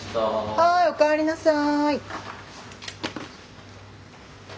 はいおかえりなさい。